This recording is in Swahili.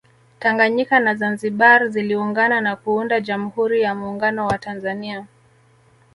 Tanganyika na Zanzibar ziliungana na kuunda Jamhuri ya Muungano wa Tanzania